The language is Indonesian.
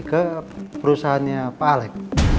ke perusahaannya pak alec